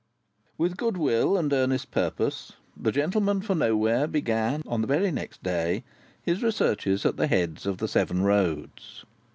With good will and earnest purpose, the gentleman for Nowhere began, on the very next day, his researches at the heads of the seven roads.